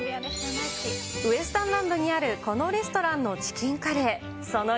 ウエスタンランドにあるこのレストランのチキンカレー。